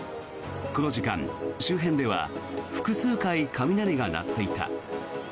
この時間、周辺では複数回、雷が鳴っていた。